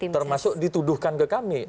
termasuk dituduhkan ke kami